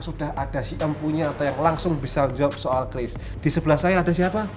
sudah ada si empunya atau yang langsung bisa menjawab soal kris di sebelah saya ada siapa